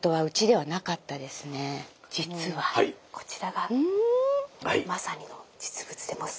実はこちらがまさに実物です。